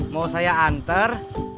mau saya antar